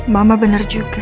mama bener juga